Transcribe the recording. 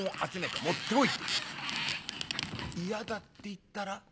「嫌だって言ったら？」。